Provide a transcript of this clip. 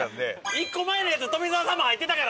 １個前のやつ富澤さんも入ってたからな！